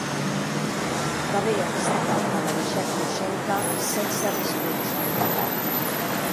Tanben aguesta carta la deishèc Grushenka sense responsa.